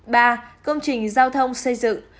ba công trình giao thông xây dựng